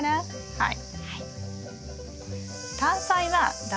はい。